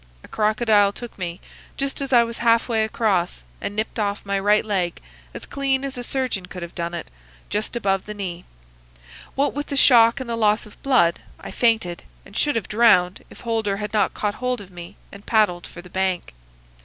A crocodile took me, just as I was half way across, and nipped off my right leg as clean as a surgeon could have done it, just above the knee. What with the shock and the loss of blood, I fainted, and should have drowned if Holder had not caught hold of me and paddled for the bank.